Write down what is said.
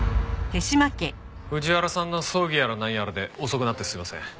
藤原さんの葬儀やらなんやらで遅くなってすいません。